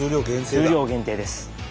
数量限定です。